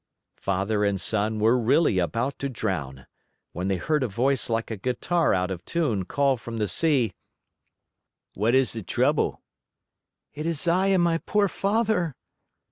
Father and son were really about to drown when they heard a voice like a guitar out of tune call from the sea: "What is the trouble?" "It is I and my poor father."